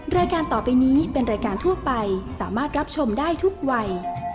รายการต่อไปนี้เป็นรายการทั่วไปสามารถรับชมได้ทุกวัย